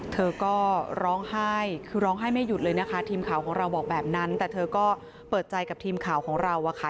เธอก็ร้องไห้คือร้องไห้ไม่หยุดเลยนะคะทีมข่าวของเราบอกแบบนั้นแต่เธอก็เปิดใจกับทีมข่าวของเราอะค่ะ